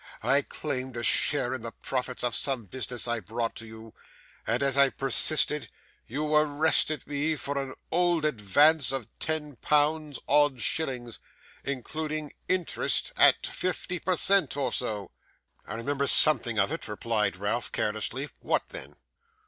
I claimed a share in the profits of some business I brought to you, and, as I persisted, you arrested me for an old advance of ten pounds, odd shillings, including interest at fifty per cent, or so.' 'I remember something of it,' replied Ralph, carelessly. 'What then?